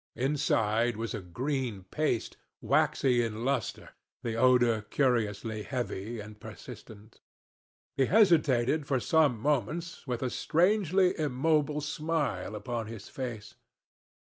Inside was a green paste, waxy in lustre, the odour curiously heavy and persistent. He hesitated for some moments, with a strangely immobile smile upon his face.